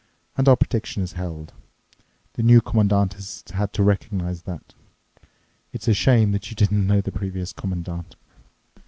And our prediction has held. The New Commandant has had to recognize that. It's a shame that you didn't know the previous Commandant!"